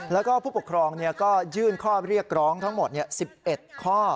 แล้วก็ผู้ปกครองก็ยื่นข้อเรียกร้องทั้งหมด๑๑ข้อ